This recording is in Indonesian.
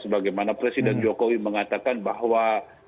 sebagaimana presiden jokowi mengatakan bahwa